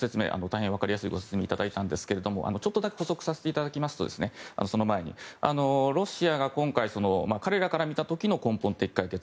大変、分かりやすいご説明をいただいたんですがちょっとだけ補足させていただくとロシアが今回彼らから見た時の根本的解決